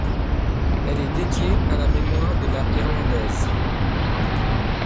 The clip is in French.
Elle est dédiée à la mémoire de la irlandaise.